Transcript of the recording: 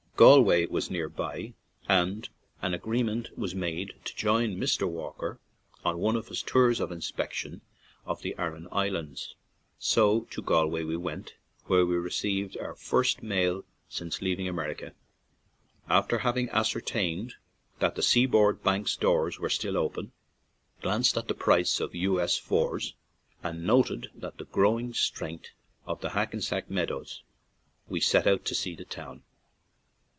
Galway was near by, and an agree ment was made to join Mr. Walker on one of his tours of inspection to the Aran Islands. So to Galway we went, where we received our first mail since leaving America. After having ascertained that the Seaboard Bank's doors were still open, glanced at the price of "U. S. Fours/' and noted the growing strength of the 94 RECESS TO GALWAY "Hackensack Meadows/' we set out to see the town.